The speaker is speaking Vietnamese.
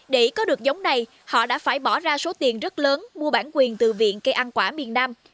để có được giống này họ đã phải bỏ ra số tiền rất lớn mua bản quyền từ viện cây ăn quả miền nam